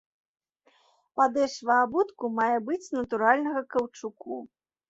Падэшва абутку мае быць з натуральнага каўчуку.